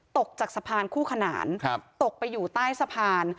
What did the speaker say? ตกจากสะพานคู่ขนานตกไปอยู่ใต้สะพาน